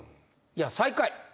いや最下位。